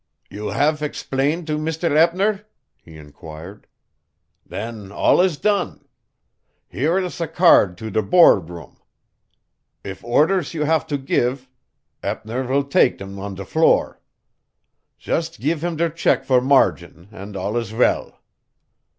"You haf exblained to Misder Eppner?" he inquired. "Den all is done. Here is a card to der Board Room. If orders you haf to gif, Eppner vill dake dem on der floor. Zhust gif him der check for margin, and all is vell."